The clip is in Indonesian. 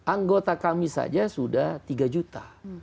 anggota kami saja sudah tiga juta